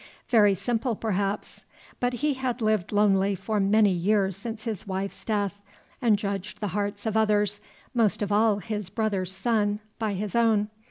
Very simple, perhaps; but he had lived lonely for many years since his wife's death, and judged the hearts of others, most of all of his brother's son, by his own.